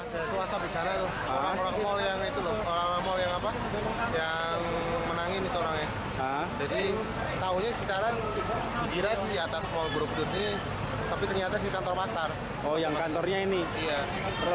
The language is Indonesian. di atas mal buruk buruk ini tapi ternyata di kantor pasar